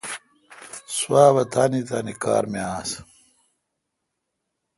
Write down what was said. سواب تان تان کار می آس